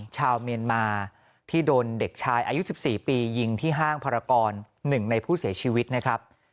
ชาวเมียนมาที่โดนเด็กชายอายุ๑๔ปียิงที่ห้างภารกร๑ในผู้เสียชีวิตนะครับ